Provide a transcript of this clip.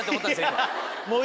今。